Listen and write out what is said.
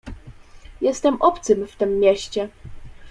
"Jestem obcym w tem mieście."